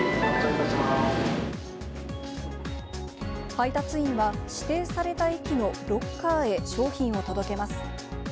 配達員は、指定された駅のロッカーへ商品を届けます。